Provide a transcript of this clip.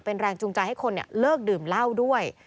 เป็นแรงจูงใจให้คนเลิกดื่มเหล้าด้วย